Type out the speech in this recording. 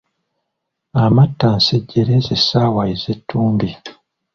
Amatta nsejjere ze ssaawa eze ttumbi.